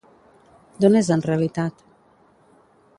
D'on és en realitat?